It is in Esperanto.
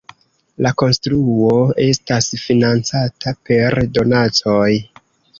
La konstruo estas financata per donacoj.